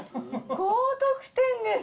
高得点です！